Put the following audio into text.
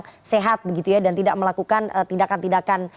masih dalam kondisi mental yang sehat begitu ya dan tidak melakukan tindakan tindakan